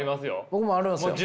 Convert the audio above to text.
僕もあるんですよ。